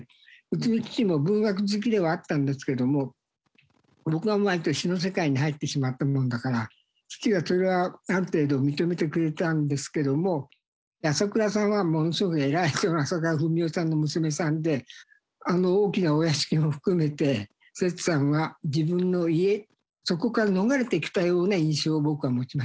うちの父も文学好きではあったんですけども僕が詩の世界に入ってしまったものだから父はそれはある程度認めてくれたんですけども朝倉さんはものすごく偉い朝倉文夫さんの娘さんであの大きなお屋敷も含めて摂さんは自分の家そこから逃れてきたような印象を僕は持ちました。